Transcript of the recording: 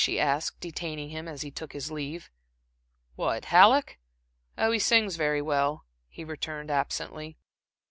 she asked, detaining him as he took his leave. "What, Halleck? Oh, he sings very well," he returned, absently.